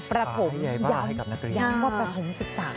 ประถมย้ำยาบ้าประถมศึกษา